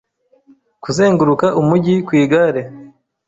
Kuzenguruka umujyi ku igare